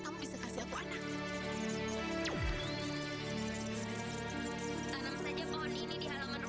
kamu sudah dapat kesempatan